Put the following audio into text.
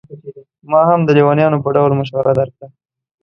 ما هم د لېونیانو په ډول مشوره درکړه.